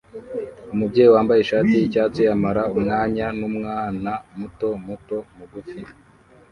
Umubyeyi wambaye ishati yicyatsi amarana umwanya numwana muto muto mugufi